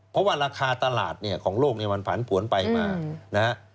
เพราะว่าราคาตลาดของโลกมันผันผวนไปมา